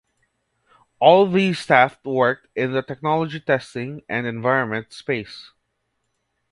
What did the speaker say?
All these staff worked in the Technology Testing and Environment Space.